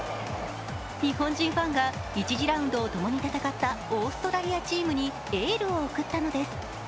日本人ファンが１次ラウンドをともに戦ったオーストラリアチームにエールを送ったのです。